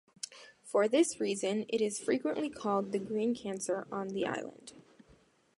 For this reason, it is frequently called the "green cancer" on the island.